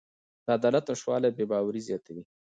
د عدالت نشتوالی بې باوري زیاتوي